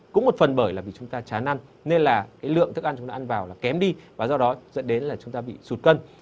cũng một phần bởi là vì chúng ta chá năn nên là cái lượng thức ăn chúng nó ăn vào là kém đi và do đó dẫn đến là chúng ta bị sụt cân